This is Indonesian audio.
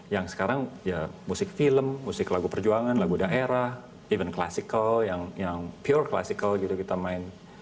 yang sekarang ya musik film musik lagu perjuangan lagu daerah event klasikal yang pure clasical gitu kita main